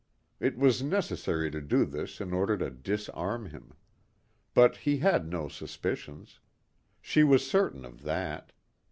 It was necessary to do this in order to disarm him. But he had no suspicions. She was certain of that.